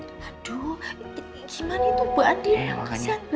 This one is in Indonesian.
aduh gimana itu bu andien yang kesian banget